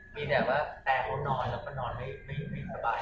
มีแต่ว่ามันนอนทำไม่ทบาย